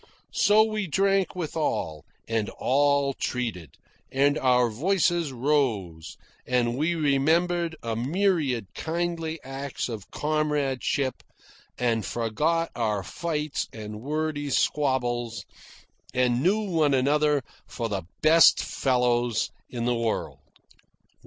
So we drank with all, and all treated, and our voices rose, and we remembered a myriad kindly acts of comradeship, and forgot our fights and wordy squabbles, and knew one another for the best fellows in the world.